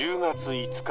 ５日？